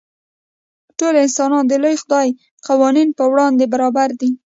ټول انسانان د لوی خدای قوانینو په وړاندې برابر دي.